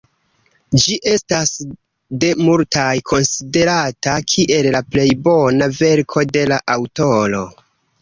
Ĝi estas de multaj konsiderata kiel la plej bona verko de la aŭtoro.